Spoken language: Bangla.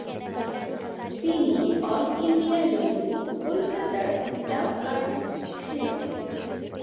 তিনি অল ইন্ডিয়া রেডিও কোলকাতার স্টাফ আর্টিস্ট ছিলেন।